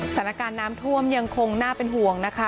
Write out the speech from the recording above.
สถานการณ์น้ำท่วมยังคงน่าเป็นห่วงนะคะ